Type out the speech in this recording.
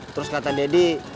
terus kata daddy